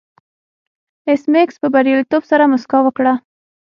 ایس میکس په بریالیتوب سره موسکا وکړه